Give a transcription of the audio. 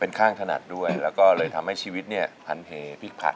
เป็นข้างถนัดด้วยแล้วก็เลยทำให้ชีวิตเนี่ยพันเหพลิกผัน